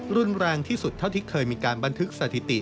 รุนแรงที่สุดเท่าที่เคยมีการบันทึกสถิติ